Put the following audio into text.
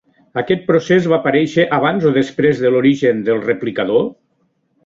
Aquest procés va aparèixer abans o després de l'origen del replicador?